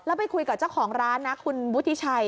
แล้วไปคุยกับเจ้าของร้านนะคุณวุฒิชัย